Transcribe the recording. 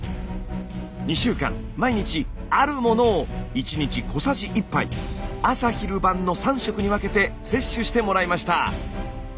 ２週間毎日あるものを１日小さじ１杯朝昼晩の３食に分けて摂取してもらいました。